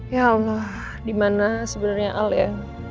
ya allah dimana sebenarnya al ya